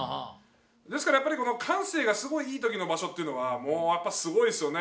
ですからやっぱりこの感性がすごいいい時の場所っていうのはもうやっぱすごいですよね。